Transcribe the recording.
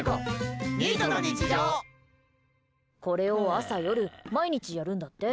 これを朝夜、毎日やるんだって。